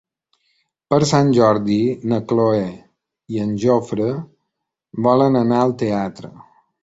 Per Sant Jordi na Cloè i en Jofre volen anar al teatre.